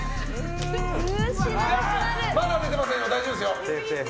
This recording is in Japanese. まだ出てませんよ、大丈夫。